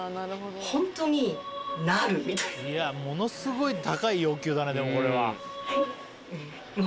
ものすごい高い要求だねこれは。